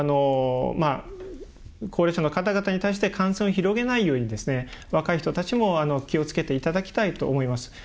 高齢者の方々に感染を広げないように若い人たちも気をつけていただきたいと思います。